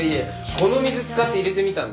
この水使って入れてみたんです。